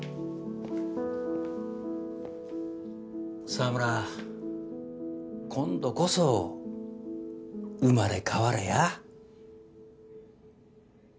澤村今度こそ生まれ変われや。